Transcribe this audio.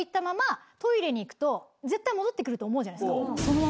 に行くと絶対戻って来ると思うじゃないですか。